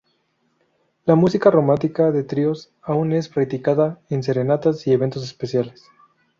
La música romántica de tríos aún es practicada en serenatas y eventos especiales.